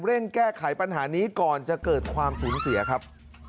เร่งแก้ไขปัญหานี้ก่อนจะเกิดความสูญเสียครับ